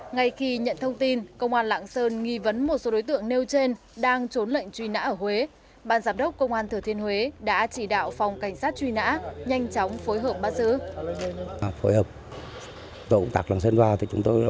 ngay khi nhận thông tin công an lạng sơn nghi vấn một số đối tượng nêu trên đang trốn lệnh truy nã ở huế